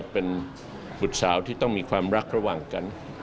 เป็นบุตรสาวที่ต้องมีความรักระหว่างกัน